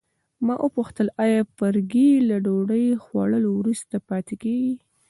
ما وپوښتل آیا فرګي له ډوډۍ خوړلو وروسته پاتې کیږي.